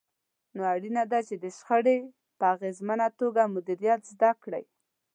نو اړينه ده چې د شخړې په اغېزمنه توګه مديريت زده کړئ.